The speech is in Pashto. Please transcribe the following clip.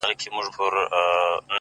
ځوان يوه غټه ساه ورکش کړه-